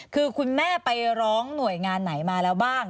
คือคุณแม่ไปร้องหน่วยงานไหนมาแล้วบ้าง